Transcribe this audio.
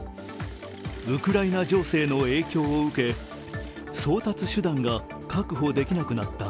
ウクライナ情勢の影響を受け、送達手段が確保できなくなった。